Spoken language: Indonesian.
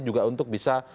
juga untuk bisa